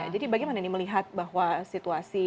jadi bagaimana ini melihat bahwa situasi